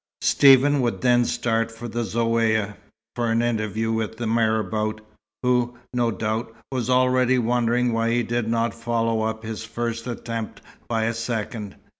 Stephen would then start for the Zaouïa, for an interview with the marabout, who, no doubt, was already wondering why he did not follow up his first attempt by a second.